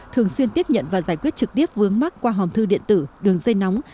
thường xuyên tiếp nhận và giải quyết trực tiếp vướng mắt qua hòm thư điện tử đường dây nóng